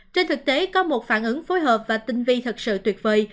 trên thực tế có một phản ứng phối hợp và tinh vi thật sự tuyệt vời